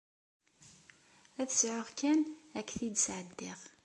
Ad t-sɛuɣ kan, ad k-t-id-sɛeddiɣ.